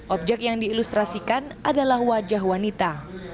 objek yang diilustrasikan adalah wajah wanita